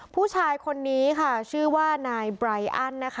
ผู้ชายคนนี้ค่ะชื่อว่านายไบรอันนะคะ